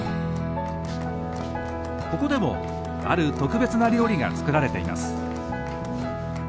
ここでもある特別な料理が作られています。